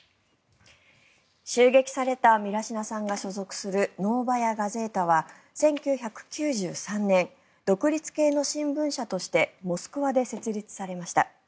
襲撃されたミラシナさんが所属するノーバヤ・ガゼータは１９９３年独立系の新聞社としてモスクワで設立されました。